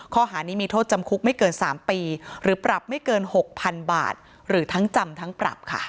ข้อหานี้มีโทษจำคุกไม่เกิน๓ปีหรือปรับไม่เกิน๖๐๐๐บาทหรือทั้งจำทั้งปรับค่ะ